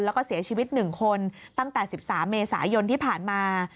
แล้วก็เสียชีวิต๑คนตั้งแต่๑๓เมษายนที่ผ่านมา